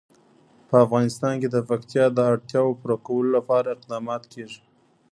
په افغانستان کې د پکتیا د اړتیاوو پوره کولو لپاره اقدامات کېږي.